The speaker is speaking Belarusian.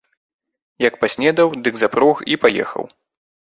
Як паснедаў, дык запрог і паехаў.